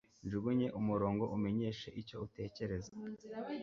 Njugunye umurongo umenyeshe icyo utekereza.